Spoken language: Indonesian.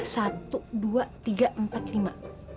satu dua tiga empat lima